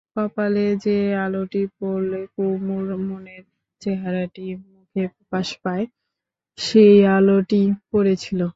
কপালে যে আলোটি পড়লে কুমুর মনের চেহারাটি মুখে প্রকাশ পায়, সেই আলোটিই পড়েছিল।